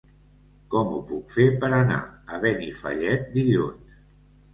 Com ho puc fer per anar a Benifallet dilluns?